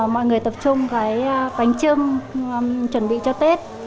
mọi người tập trung cái bánh trưng chuẩn bị cho tết